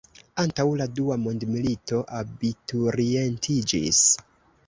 Antaŭ la dua mondmilito abiturientiĝis.